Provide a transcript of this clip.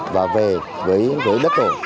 và về với đất tổ